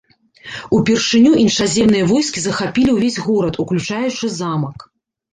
Упершыню іншаземныя войскі захапілі ўвесь горад, уключаючы замак.